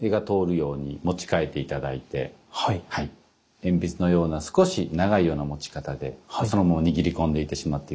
鉛筆のような少し長いような持ち方でそのまま握り込んでしまって下さい。